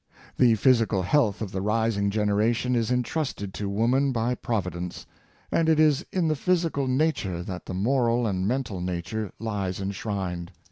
The physical health of the rising generation is intrusted to woman by Provi dence; and it is in the physical nature that the moral and mental nature lies enshrined.